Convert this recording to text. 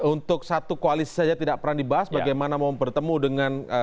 untuk satu koalisi saja tidak pernah dibahas bagaimana mau bertemu dengan